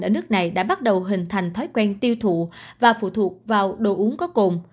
ở nước này đã bắt đầu hình thành thói quen tiêu thụ và phụ thuộc vào đồ uống có cồn